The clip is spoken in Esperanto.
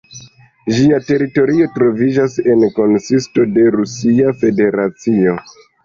Ĝia teritorio troviĝas en konsisto de Rusia Federacio.